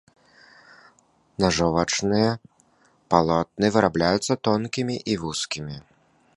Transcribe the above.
Нажовачныя палотны вырабляюцца тонкімі і вузкімі.